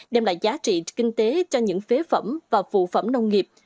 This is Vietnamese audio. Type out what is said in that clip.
đem lại giá trị kinh tế cho những phế phẩm và phụ phẩm nông nghiệp